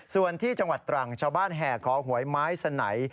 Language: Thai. ส่วนที่จังหวัดตรังชาวบ้านแห่ขอหวยไม้สนัย